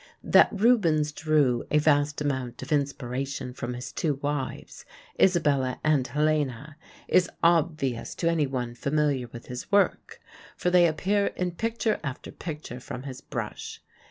That Rubens drew a vast amount of inspiration from his two wives, Isabella and Helena, is obvious to anyone familiar with his work; for they appear in picture after picture from his brush.